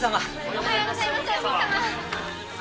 おはようございますお姫様